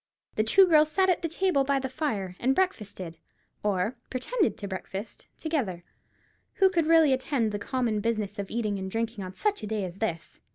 The two girls sat at the table by the fire, and breakfasted, or pretended to breakfast, together. Who could really attend to the common business of eating and drinking on such a day as this?